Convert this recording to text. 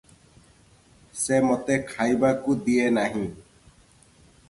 ସେ ମୋତେ ଖାଇବାକୁ ଦିଏନାହିଁ ।